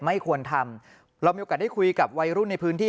ไม่ควรทำเรามีโอกาสได้คุยกับวัยรุ่นในพื้นที่